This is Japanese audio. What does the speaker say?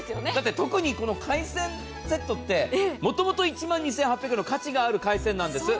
特に海鮮セットって、もともと１万２８００円の価値があるんです。